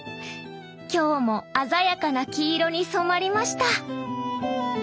今日も鮮やかな黄色に染まりました！